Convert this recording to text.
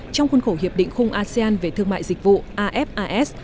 trong khuôn khổ hiệp định khung asean về thương mại dịch vụ afas